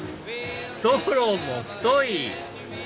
ストローも太い！